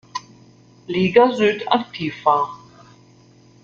Liga Süd aktiv war.